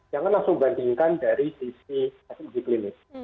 jangan langsung bandingkan dari sisi uji klinis